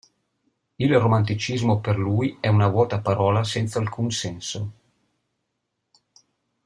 Il romanticismo per lui è una vuota parola senza alcun senso.